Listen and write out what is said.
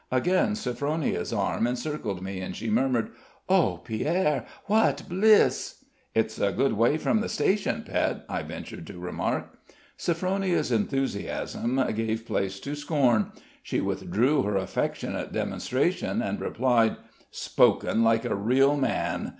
Again Sophronia's arm encircled me, and she murmured: "Oh, Pierre, what bliss!" "It's a good way from the station, pet," I ventured to remark. Sophronia's enthusiasm gave place to scorn; she withdrew her affectionate demonstration, and replied: "Spoken like a real man!